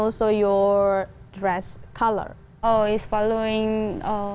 oh saya menggabungkan dengan tpo